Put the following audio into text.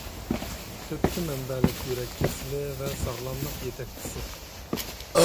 ئۆپكە مەنبەلىك يۈرەك كېسىلى ۋە ساغلاملىق يېتەكچىسى.